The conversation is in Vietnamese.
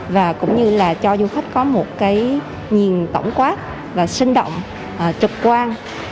và cũng như là cho du khách có một cái nhìn tổng quát và sinh động trực quan